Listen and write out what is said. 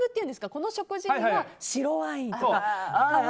この食事には白ワインとか。